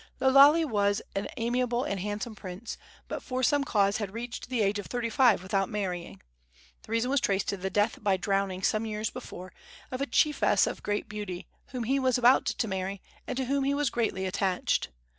Lo Lale was an amiable and handsome prince, but for some cause had reached the age of thirty five without marrying. The reason was traced to the death by drowning, some years before, of a chiefess of great beauty whom he was about to marry, and to whom he was greatly attached.